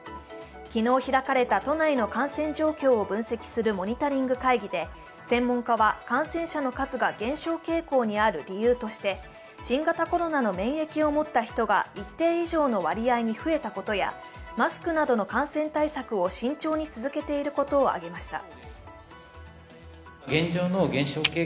昨日開かれた都内の感染状況を分析するモニタリング会議で専門家は感染者の数が減少傾向にある理由として新型コロナの免疫を持った人が一定以上の割合に増えたことやマスクなどの感染対策を慎重に続けていることを挙げました。